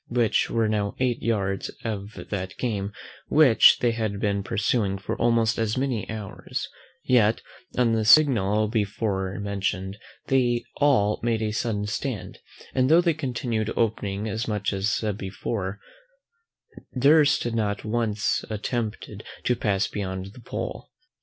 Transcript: They were now within eight yards of that game which they had been pursuing for almost as many hours; yet on the signal before mentioned they all made a sudden stand, and tho' they continued opening as much as before, durst not once attempt to pass beyond the pole.